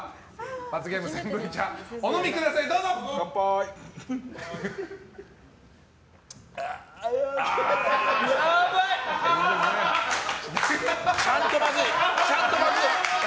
罰ゲーム、センブリ茶お飲みください！ちゃんとまずい！